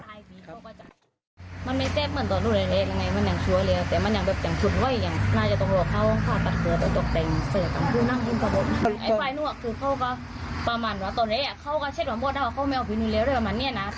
อยู่บ้านได้ไหมเนี่ยนะ